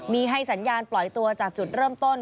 มีให้สัญญาณปล่อยตัวจากจุดเริ่มต้น